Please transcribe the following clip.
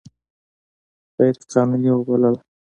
غیر قانوني وبلله.